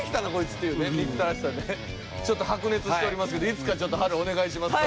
ちょっと白熱しておりますけどいつかはるお願いします。